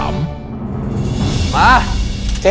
มาเจ๊กบ